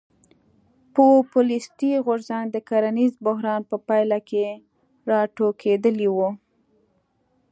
پوپولیستي غورځنګ د کرنیز بحران په پایله کې راټوکېدلی و.